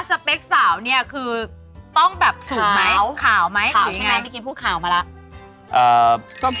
ที่นู่น